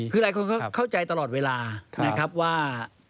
คือหลายคนเข้าใจตลอดเวลานะครับว่า